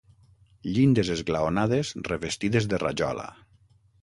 Llindes esglaonades revestides de rajola.